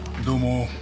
どうも。